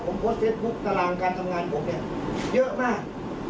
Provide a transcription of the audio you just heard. ผมโพสต์เฟซบุ๊คตารางการทำงานผมเนี่ยเยอะมาก